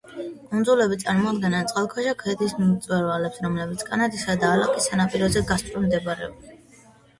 კუნძულები წარმოადგენენ წყალქვეშა ქედის მწვერვალებს, რომლების კანადისა და ალასკის სანაპიროს გასწვრივ მდებარეობენ.